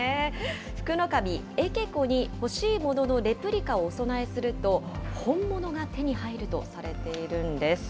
福の神、エケコに欲しいもののレプリカをお供えすると、本物が手に入るとされているんです。